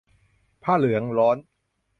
ผ้าเหลืองร้อน